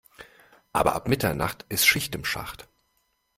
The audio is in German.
Aber ab Mitternacht ist Schicht im Schacht.